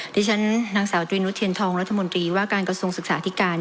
ที่ฉันนางสาวตรีนุษเทียนทองรัฐมนตรีว่าการกระทรวงศึกษาที่การ